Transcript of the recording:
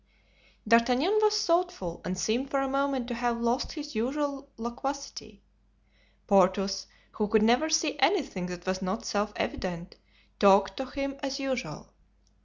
D'Artagnan was thoughtful and seemed for the moment to have lost his usual loquacity. Porthos, who could never see anything that was not self evident, talked to him as usual.